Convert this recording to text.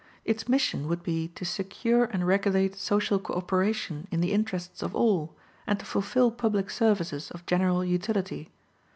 Its mission would be to secure and regulate social co operation in the interests of all, and to fulfil public services of general utility.